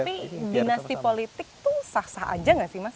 tapi dinasti politik tuh sah sah aja gak sih mas